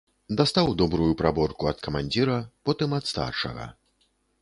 Дастаў добрую праборку ад камандзіра, потым ад старшага.